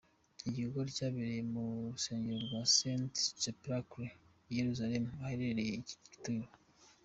Ni igikorwa cyabereye mu rusengero rwa Saint-Sépulcre i Yelusalemu ahaherereye iki gituro.